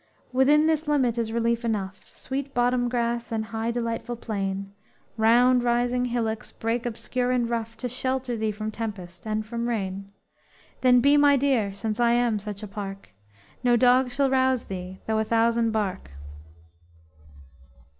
_ _"'Within this limit is relief enough, Sweet bottom grass and high delightful plain, Round rising hillocks, brake obscure and rough To shelter thee from tempest and from rain; Then be my deer since I am such a park No dog shall rouse thee though a thousand bark!'"